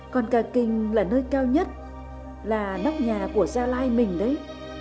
con ca kinh là nơi cao nhất là nóc nhà của gia lai mình đấy